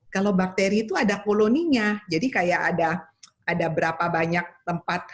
kalau bakteri itu ada koloninya jadi kayak ada berapa banyak tempat